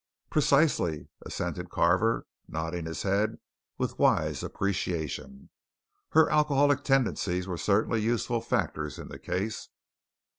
"Precisely," assented Carver, nodding his head with wise appreciation. "Her alcoholic tendencies were certainly useful factors in the case."